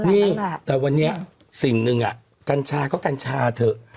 นี่แต่วันนี้สิ่งหนึ่งกัญชาก็กัญชาเถอะ